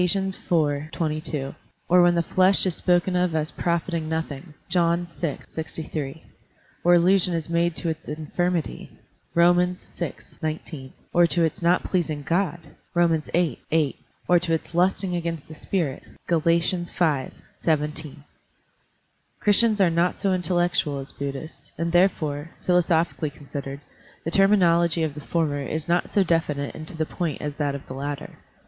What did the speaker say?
iv, 22), or when the flesh is spoken of as profiting nothing (John vi, 63), or allusion is made to its infirmity (Rom. vi, 19), or to its not pleasing God (Rom. viii, 8), or to its lusting against the spirit (Gal. V, 17). Christians are not so intel lectual as Buddhists, and therefore, philosophically considered, the terminology of the former is not so definite and to the point as is that of the latter.